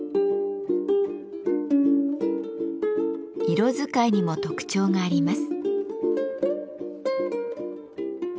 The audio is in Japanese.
色使いにも特徴があります。